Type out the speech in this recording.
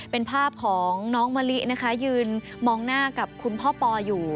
เป็นภาพของน้องมะลินะคะยืนมองหน้ากับคุณพ่อปออยู่